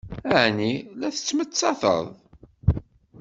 Ɛni la tettmettated?